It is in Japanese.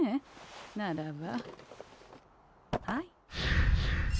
ならばはい。